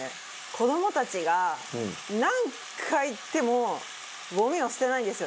子どもたちが何回言ってもゴミを捨てないんですよ